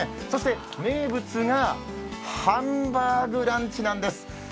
そして名物がハンバーグランチなんです。